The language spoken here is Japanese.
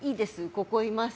ここにいます